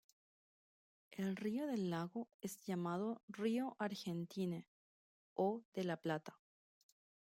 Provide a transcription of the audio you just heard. El río del lago es llamado Río Argentine o de la Plata.